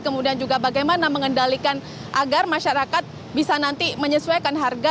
kemudian juga bagaimana mengendalikan agar masyarakat bisa nanti menyesuaikan harga